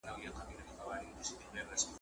لکه دی چي د جنګونو قهرمان وي ,